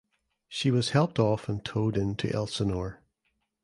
She was helped off and towed in to Elsinore.